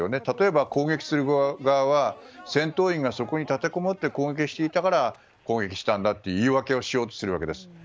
例えば攻撃する側は戦闘員がそこに立てこもって攻撃していたから攻撃したんだと言い訳をしようとするわけです。